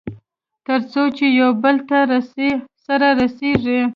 تر څو چې يوبل ته سره رسېږي.